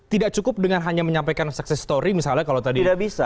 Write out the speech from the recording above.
tidak cukup dengan hanya menyampaikan sukses story misalnya kalau tadi mas gun gun katakan